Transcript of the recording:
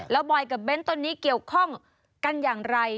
แล้วบอยกับเบ้นตอนนี้เกี่ยวข้องกันอย่างไร